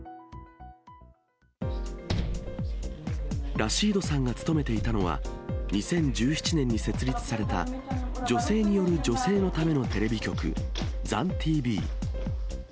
ラシードさんが勤めていたのは、２０１７年に設立された女性による女性のためのテレビ局、ザンＴＶ。